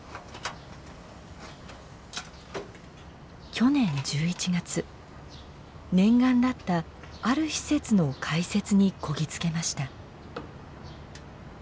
去年１１月念願だったある施設の開設にこぎ着けました。